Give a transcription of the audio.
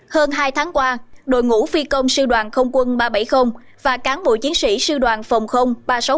hơn hai tháng qua đội ngũ phi công sư đoàn không quân ba trăm bảy mươi và cán bộ chiến sĩ sư đoàn phòng không ba trăm sáu mươi một